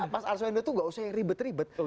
pas arswendo itu nggak usah ribet ribet